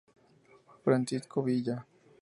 Francisco Villa.